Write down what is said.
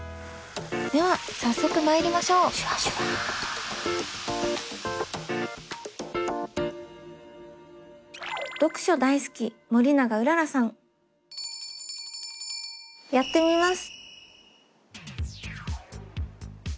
では早速まいりましょうやってみます。